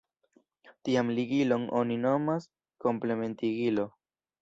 Tian ligilon oni nomas Komplementigilo.